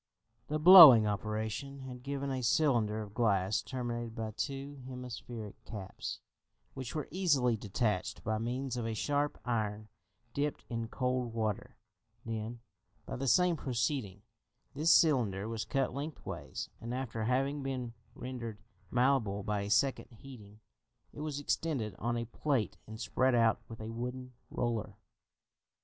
The blowing operation had given a cylinder of glass terminated by two hemispheric caps, which were easily detached by means of a sharp iron dipped in cold water; then, by the same proceeding, this cylinder was cut lengthways, and after having been rendered malleable by a second heating, it was extended on a plate and spread out with a wooden roller.